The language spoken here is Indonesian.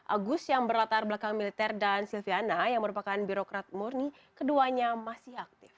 agus yang berlatar belakang militer dan silviana yang merupakan birokrat murni keduanya masih aktif